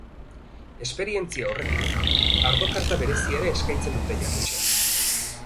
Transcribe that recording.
Esperientzia horrekin, ardo karta berezia ere eskaintzen dute jatetxean.